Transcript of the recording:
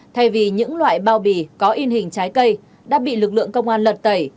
thay vì những loại bao bì có in hình trái cây đã bị lực lượng công an lật tẩy